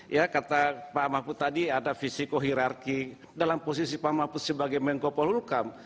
ya kata pak mahfud tadi ada fisiko hirarki dalam posisi pak mahfud sebagai mengkopol hukum